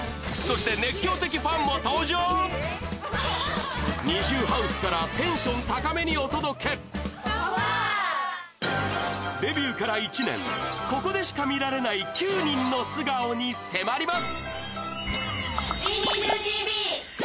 ’そしてＮｉｚｉＵＨｏｕｓｅからテンション高めにお届けデビューから１年ここでしか見られない９人の素顔に迫ります